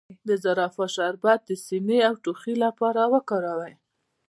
د زوفا شربت د سینې او ټوخي لپاره وکاروئ